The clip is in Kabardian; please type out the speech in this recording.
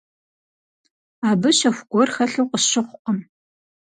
Абы щэху гуэр хэлъу къысщыхъукъым.